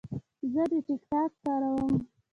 زه د ټک ټاک کاروم.